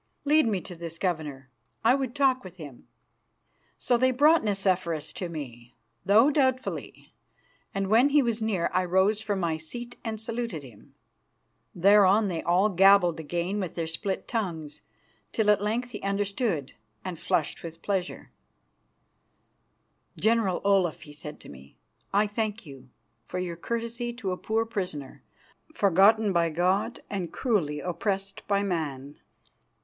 Lead me to this governor; I would talk with him." So they brought Nicephorus to me, though doubtfully, and when he was near I rose from my seat and saluted him. Thereon they all gabbled again with their split tongues, till at length he understood and flushed with pleasure. "General Olaf," he said to me, "I thank you for your courtesy to a poor prisoner, forgotten by God and cruelly oppressed by man.